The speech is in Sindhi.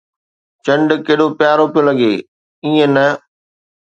چنڊ ڪيڏو پيارو پيو لڳي، ايئن نہ؟